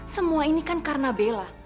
semua ini kan karena bela